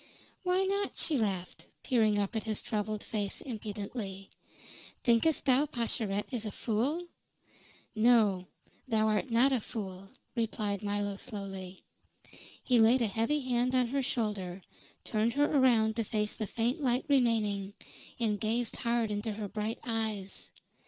"Why not?" she laughed, peering up at his troubled face impudently. "Thinkest thou Pascherette is a fool?" "No, thou art not a fool," replied Milo slowly. He laid a heavy hand on her shoulder, turned her around to face the faint light remaining, and gazed hard into her bright eyes.